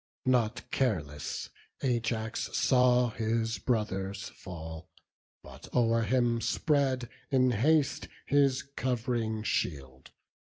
Not careless Ajax saw his brother's fall, But o'er him spread in haste his cov'ring shield.